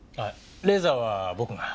レーザーは僕が。